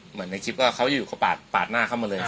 เหมือนในคลิปเขาก็ปาดหน้าเข้ามาเลย